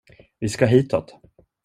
Vi ska hitåt.